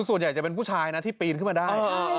ส่วนใหญ่จะเป็นผู้ชายนะที่ปีนขึ้นมาได้